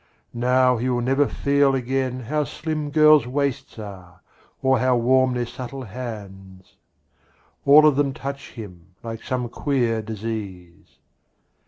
Now he will never feel again how slim Girls' waists are, or how warm their subtle hands, All of them touch him like some queer disease.